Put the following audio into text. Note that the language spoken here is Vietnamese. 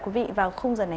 quý vị vào khung dần này